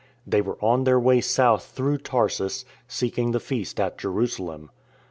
They were on their way south through Tarsus, seek ing the Feast at Jerusalem.